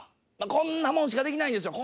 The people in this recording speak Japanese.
こんなもんしかできないんですよ